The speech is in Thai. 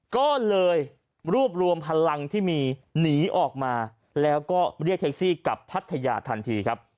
ก็เลยรวบรวมพลังที่มีหนีออกมาแล้วก็เรียกแท็กซี่กลับพัทยาทันทีครับ